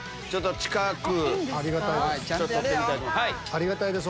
ありがたいです